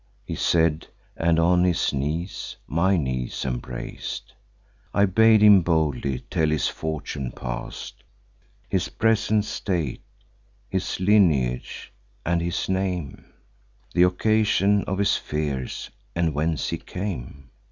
He said, and on his knees my knees embrac'd: I bade him boldly tell his fortune past, His present state, his lineage, and his name, Th' occasion of his fears, and whence he came.